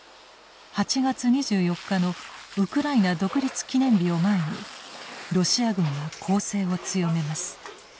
８月２４日のウクライナ独立記念日を前にロシア軍は攻勢を強めます。